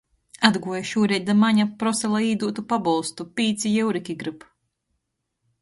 Atguoja šūreit da mane, prosa, lai īdūdu pabolstu, pīci jevriki grib...